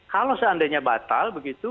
kalau seandainya batal begitu